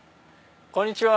こんにちは。